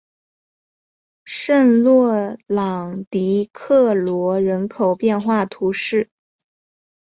圣洛朗迪克罗人口变化图示